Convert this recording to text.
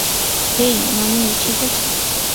হেই, মামুনি, ঠিক আছো?